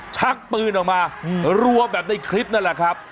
ชักปืนออกมารัวแบบในคลิปนั่นแหละครับ